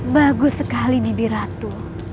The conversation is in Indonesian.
bagus sekali bibiratu